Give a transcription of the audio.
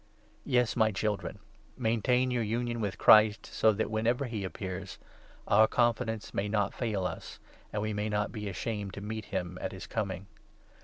Yes, my Children, maintain your union with 28 Christ, so that, whenever he appears, our confidence may not fail us, and we may not be ashamed to meet him at his coming.